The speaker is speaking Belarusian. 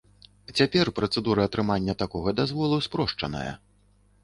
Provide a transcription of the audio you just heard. Цяпер працэдура атрымання такога дазволу спрошчаная.